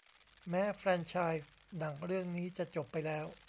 แม้แฟรนไชส์หนังเรื่องนี้จะจบไปแล้ว